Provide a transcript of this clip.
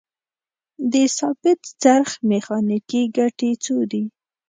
د ثابت څرخ میخانیکي ګټې څو دي؟